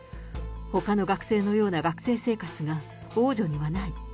ほかの学生のような学生生活が王女にはない。